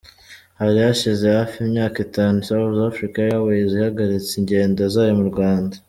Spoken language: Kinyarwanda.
Hari hashize hafi imyaka itanu South African Airways ihagaritse ingendo zayo mu Rwanda.